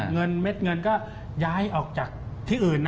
เม็ดเงินก็ย้ายออกจากที่อื่นนะ